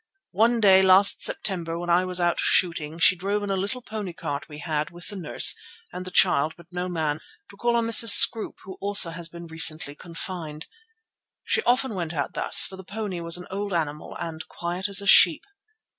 One day last September when I was out shooting, she drove in a little pony cart we had, with the nurse, and the child but no man, to call on Mrs. Scroope who also had been recently confined. She often went out thus, for the pony was an old animal and quiet as a sheep.